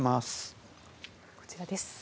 こちらです。